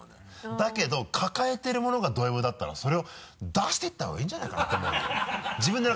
だけど抱えてるものがドＭだったらそれを出していったほうがいいんじゃないかなと思うわけよ。